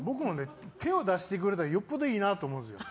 手を出してくれたらよっぽどいいなと思うんです。